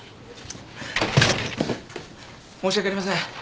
申し訳ありません。